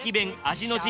味の陣